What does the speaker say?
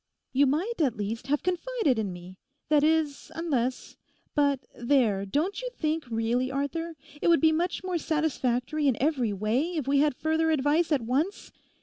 'You might, at least, have confided in me; that is, unless—But there, don't you think really, Arthur, it would be much more satisfactory in every way if we had further advice at once?